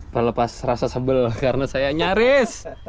melepas rasa sebel karena saya nyaris